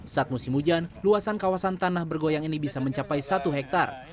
saat musim hujan luasan kawasan tanah bergoyang ini bisa mencapai satu hektare